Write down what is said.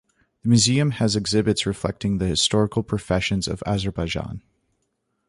The museum has exhibits reflecting the historical professions of Azerbaijan.